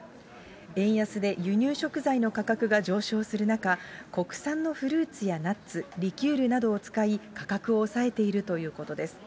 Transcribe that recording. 円安で輸入食材の価格が上昇する中、国産のフルーツやナッツ、リキュールなどを使い、価格を抑えているということです。